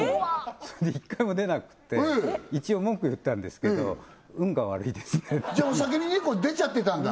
それで一回も出なくて一応文句言ったんですけど「運が悪いですね」っていうじゃあ先にネコ出ちゃってたんだ？